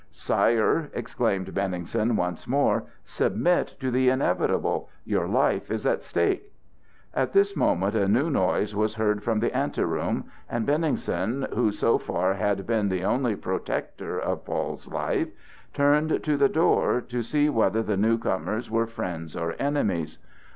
"Sire," exclaimed Benningsen once more, "submit to the inevitable! Your life is at stake!" At this moment a new noise was heard from the anteroom, and Benningsen, who so far had been the only protector of Paul's life, turned to the door, to see whether the new comers were friends or enemies.